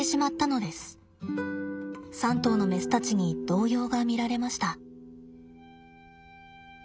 ３頭のメスたちに動揺が見られました。